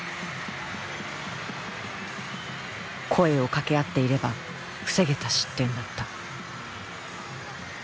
声をかけ合っていれば防げた失点だった。